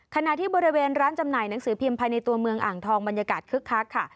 ขณะที่บริเวณร้านจำหน่ายหนังสือพิมพ์ภายในตัวเมืองอ่างทองบรรยากาศคึกคักค่ะ